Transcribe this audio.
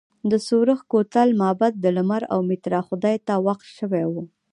د سورخ کوتل معبد د لمر او میترا خدای ته وقف شوی و